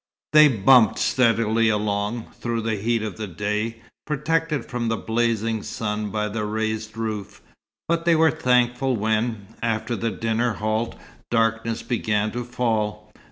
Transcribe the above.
They bumped steadily along, through the heat of the day, protected from the blazing sun by the raised hood, but they were thankful when, after the dinner halt, darkness began to fall.